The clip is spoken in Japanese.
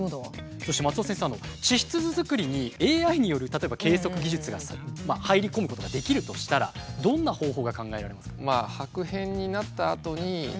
そして松尾先生地質図作りにＡＩによる例えば計測技術がですね入り込むことができるとしたらどんな方法が考えられますか？